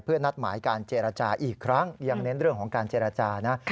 นัดหมายการเจรจาอีกครั้งยังเน้นเรื่องของการเจรจานะ